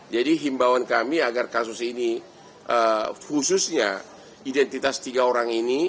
jadi himbauan kami agar kasus ini khususnya identitas tiga orang ini